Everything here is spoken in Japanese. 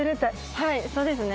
はいそうですね